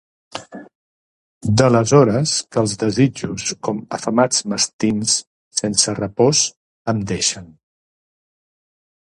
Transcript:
D’aleshores que els desitjos, com afamats mastins, sense repòs em deixen.